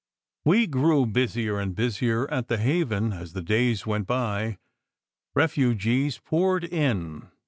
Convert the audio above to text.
We grew busier and busier at "The Haven" as the days went by. Refugees poured in.